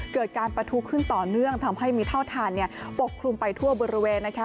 เกิดการประทุขึ้นต่อเนื่องทำให้มีเท่าทานปกคลุมไปทั่วบริเวณนะคะ